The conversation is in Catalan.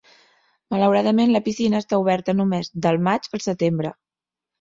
Malauradament la piscina està oberta només del maig al setembre.